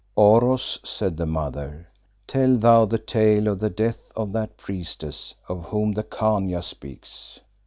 "Oros," said the Mother, "tell thou the tale of the death of that priestess of whom the Khania speaks."